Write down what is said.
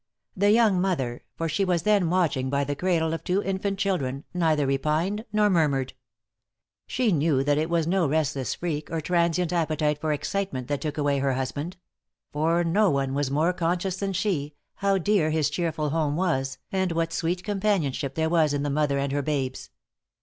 The young mother for she was then watching by the cradle of two infant children neither repined nor murmured. She knew that it was no restless freak, or transient appetite for excitement, that took away her husband; for no one was more conscious than she, how dear his cheerful home was, and what sweet companionship there was in the mother and her babes.